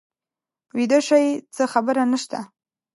ویده شئ څه خبره نه شته.